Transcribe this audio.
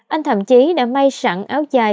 anh thậm chí đã may sẵn áo dài